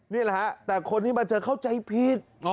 นี่แหละฮะแต่คนที่มาเจอเข้าใจผิด